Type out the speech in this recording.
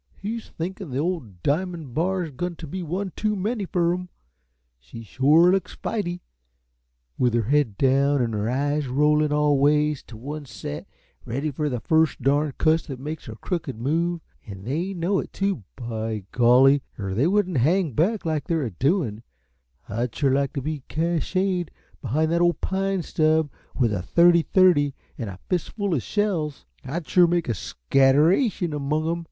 He's thinkin' the ole Diamon' Bar's goin' t' be one too many fer 'em. She shore looks fighty, with 'er head down an' 'er eyes rollin' all ways t' oncet, ready fer the first darn cuss that makes a crooked move! An' they know it, too, by golly, er they wouldn't hang back like they're a doin'. I'd shore like t' be cached behind that ole pine stub with a thirty thirty an' a fist full uh shells I'd shore make a scatteration among 'em!